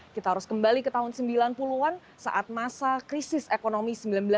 kita harus kembali ke tahun sembilan puluh an saat masa krisis ekonomi seribu sembilan ratus sembilan puluh